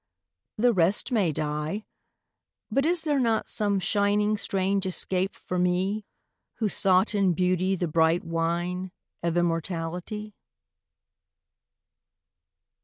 The rest may die but is there not Some shining strange escape for me Who sought in Beauty the bright wine Of immortality?